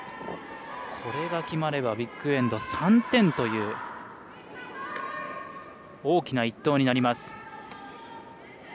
これが決まればビッグエンド、３点という大きな１投になります。